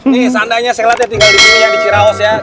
nih seandainya stella tinggal di sini di ciraos ya